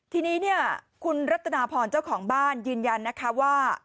ทีนี้เนี่ยคุณรัตนาพรเจ้าของบ้านยืนยันนะคะว่า